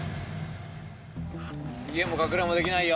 逃げも隠れもできないよ。